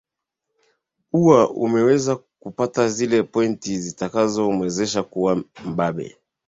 uwa ameweza kupata zile pointi zitakazomwezesha kuwa mbabe